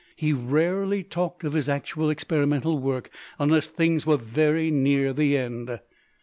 He rarely talked of his actual experimental work unless things were very near the end.